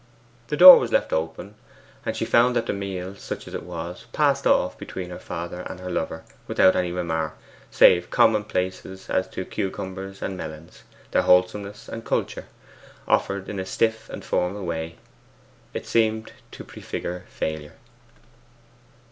The door was left open, and she found that the meal, such as it was, passed off between her father and her lover without any remark, save commonplaces as to cucumbers and melons, their wholesomeness and culture, uttered in a stiff and formal way. It seemed to prefigure failure.